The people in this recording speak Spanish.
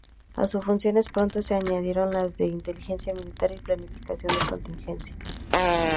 A sus funciones pronto se añadieron las de inteligencia militar y planificación de contingencias.